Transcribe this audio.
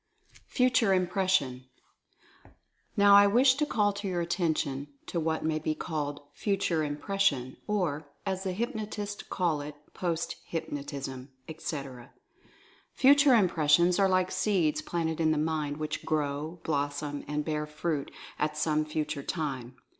FUTURE IMPRESSION. I now wish to call your attention to what may be called "Future Impression," or, as the hypnotists call it, "post hypnotism/' etc. Future Impressions are like seeds planted in the mind, which grow, blossom and bear fruit at some future time.